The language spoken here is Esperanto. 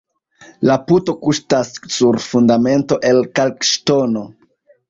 La puto kuŝtas sur fundamento el kalkŝtono.